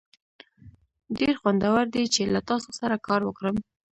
ډیر خوندور دی چې له تاسو سره کار وکړم.